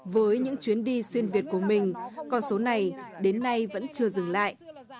với những chuyến đi xuyên việt của mình con số này đến nay vẫn chưa dừng lại